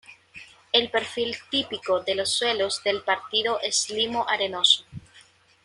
El perfil típico de los suelos del partido es limo arenoso.